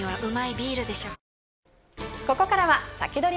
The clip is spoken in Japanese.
ここからはサキドリ！